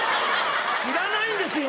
知らないんですよね